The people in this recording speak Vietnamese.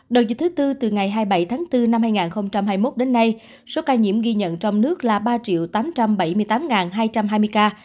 đợt dịch thứ tư từ ngày hai mươi bảy tháng bốn năm hai nghìn hai mươi một đến nay số ca nhiễm ghi nhận trong nước là ba tám trăm bảy mươi tám hai trăm hai mươi ca